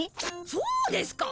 そうですか。